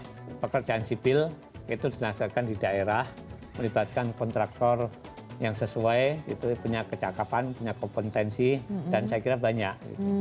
karena pekerjaan sipil itu dinasarkan di daerah melibatkan kontraktor yang sesuai itu punya kecakapan punya kompetensi dan saya kira banyak